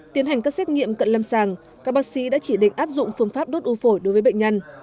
tiến hành các xét nghiệm cận lâm sàng các bác sĩ đã chỉ định áp dụng phương pháp đốt u phổi đối với bệnh nhân